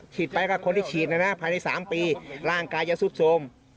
ฉีดไปก็คนที่ฉีดภายใน๓ปีร่างกายจะซุบสม